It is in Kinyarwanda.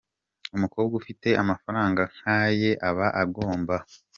Umukobwa ufite amafaranga nkaye aba agomba.